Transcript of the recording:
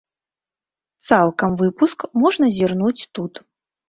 Цалкам выпуск можна зірнуць тут.